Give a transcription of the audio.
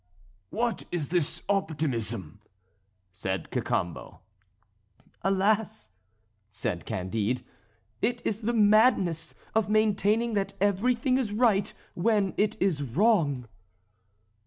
"What is this optimism?" said Cacambo. "Alas!" said Candide, "it is the madness of maintaining that everything is right when it is wrong."